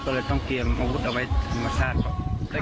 ก็เลยต้องเขียนมอวุธเอาไปมาชาดได้